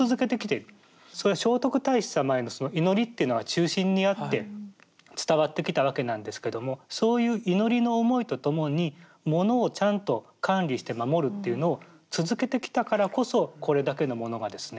それは聖徳太子様へのその祈りっていうのが中心にあって伝わってきたわけなんですけどもそういう祈りの思いと共にものをちゃんと管理して守るっていうのを続けてきたからこそこれだけのものがですね